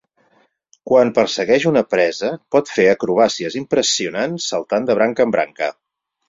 Quan persegueix una presa pot fer acrobàcies impressionants saltant de branca en branca.